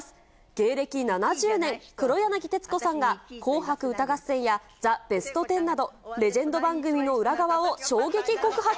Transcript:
芸歴７０年、黒柳徹子さんが、紅白歌合戦やザ・ベストテンなど、レジェンド番組の裏側を衝撃告白。